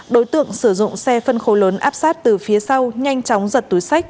đối tượng sử dụng xe phân khối lớn áp sát từ phía sau nhanh chóng giật túi sách